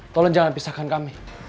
tolong jangan pisahkan kami